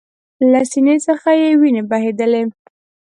له سینې څخه یې ویني بهېدلې